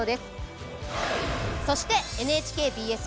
そしてＮＨＫＢＳ